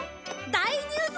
大ニュース！